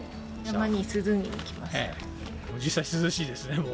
実際、涼しいですね。